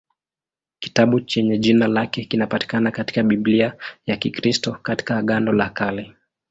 Kitabu chenye jina lake kinapatikana katika Biblia ya Kikristo katika Agano la Kale.